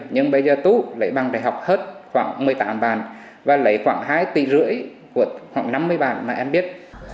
nhưng bây giờ tú lấy bằng đại học hết khoảng một mươi tám bản và lấy khoảng hai tỷ rưỡi của khoảng năm mươi bản mà em biết